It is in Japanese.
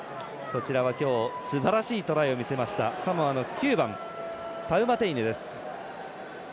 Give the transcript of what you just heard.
今日すばらしいトライを見せましたサモアの９番、タウマテイネです。